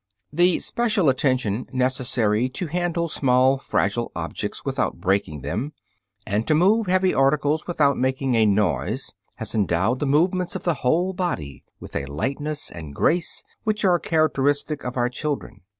The special attention necessary to handle small fragile objects without breaking them, and to move heavy articles without making a noise, has endowed the movements of the whole body with a lightness and grace which are characteristic of our children.